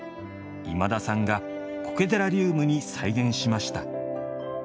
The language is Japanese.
今田さんがコケ寺リウムに再現しました。